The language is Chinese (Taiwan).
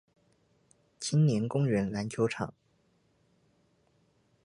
青年公園籃球場